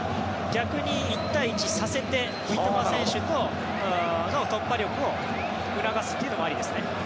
逆に１対１をさせて三笘選手の突破力を促すのもありですね。